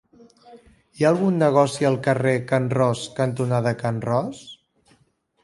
Hi ha algun negoci al carrer Can Ros cantonada Can Ros?